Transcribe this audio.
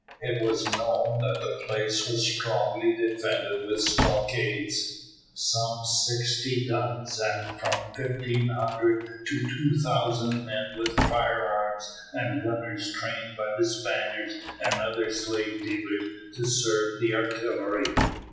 It was known that the place was strongly defended with stockades, some sixty guns, and from 1,500 to 2,000 men with firearms, and gunners trained by the Spaniards and other slave dealers to serve the artillery.